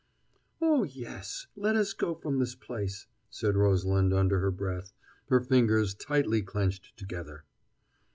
"Oh, yes! Let us go from this place!" said Rosalind under her breath, her fingers tightly clenched together.